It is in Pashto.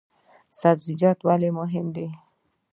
سبزیجات ولې مهم دي؟